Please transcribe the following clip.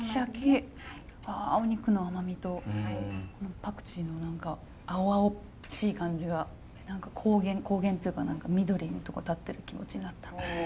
お肉の甘みとパクチーの何か青々しい感じが高原高原っていうか緑のとこ立ってる気持ちになった。